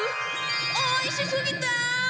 おいしすぎて！